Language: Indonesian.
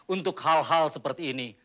untuk hal hal seperti ini